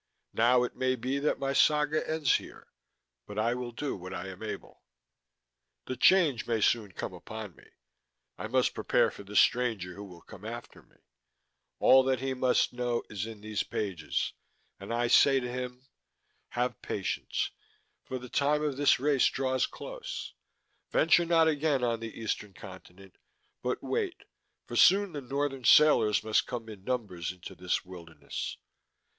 Now it may be that my saga ends here, but I will do what I am able._ _The Change may soon come upon me; I must prepare for the stranger who will come after me. All that he must know is in these pages. And say I to him:_ _Have patience, for the time of this race draws close. Venture not again on the Eastern continent, but wait, for soon the Northern sailors must come in numbers into this wilderness.